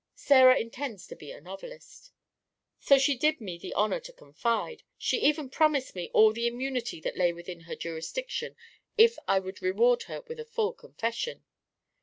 Sarah intends to be a novelist." "So she did me the honour to confide. She even promised me all the immunity that lay within her jurisdiction if I would reward her with a full confession."